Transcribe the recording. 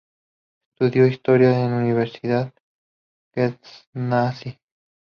Estudió historia en la Universidad de Gdańsk.